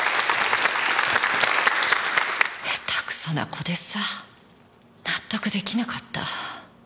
へたくそな子でさ納得出来なかった。